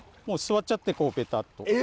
もう座っちゃってこうベタッと。